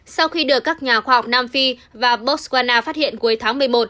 sau khi được các nhà khoa học nam phi và botswana phát hiện cuối tháng một mươi một